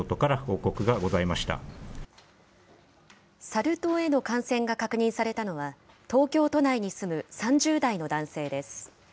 サル痘への感染が確認されたのは、東京都内に住む３０代の男性です。